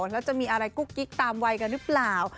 แล้วจะมีอะไรกุ๊กกิ๊กตามวัยกันหรือเปล่า